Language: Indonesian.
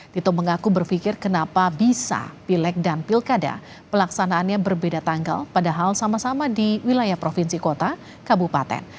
tito mengaku berpikir kenapa bisa pileg dan pilkada pelaksanaannya berbeda tanggal padahal sama sama di wilayah provinsi kota kabupaten